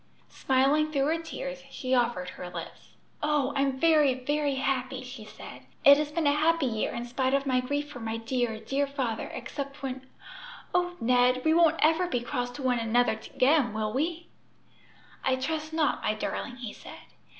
Smiling through her tears, she offered her lips. "Oh, I'm very, very happy!" she said. "It has been a happy year in spite of my grief for my dear, dear father, except when O Ned, we won't ever be cross to one another again, will we?" "I trust not, my darling," he said.